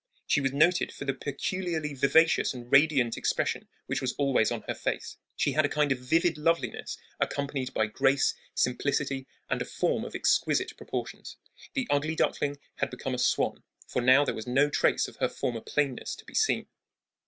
She was noted for the peculiarly vivacious and radiant expression which was always on her face. She had a kind of vivid loveliness accompanied by grace, simplicity, and a form of exquisite proportions. The ugly duckling had become a swan, for now there was no trace of her former plainness to be seen.